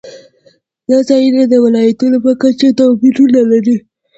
دا ځایونه د ولایاتو په کچه توپیرونه لري.